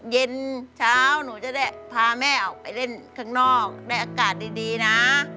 เย็นเช้าหนูจะได้พาแม่ออกไปเล่นข้างนอกได้อากาศดีนะ